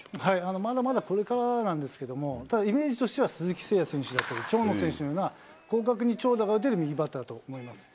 まだまだこれからなんですけども、イメージとしては、鈴木誠也選手だったり、長野選手のような、広角に長打が打てる右バッターだと思います。